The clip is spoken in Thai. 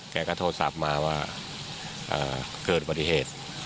แกก็โทรศัพท์มาว่าเกิดอุบัติเหตุ